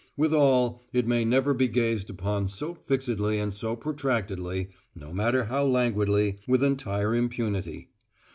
Withal, it may never be gazed upon so fixedly and so protractedly no matter how languidly with entire impunity.